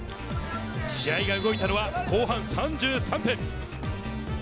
試合が動いたのは後半３３分。